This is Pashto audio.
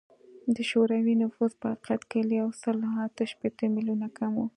د شوروي نفوس په حقیقت کې له یو سل اته شپیته میلیونه کم و